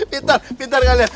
bintar bintar kalian